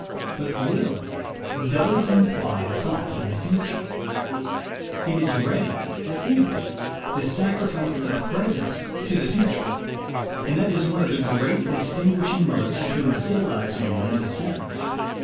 But will does imply thought of the future. It is ready, if need be, to sacrifice the present to the future. And that is one of the great dis tinguishing marks between the civilized man and the savage.